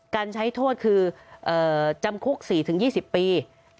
การใช้โทษคือจำคุก๔๒๐ปี